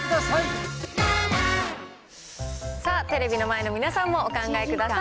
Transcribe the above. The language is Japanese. さあ、テレビの前の皆さんもお考えください。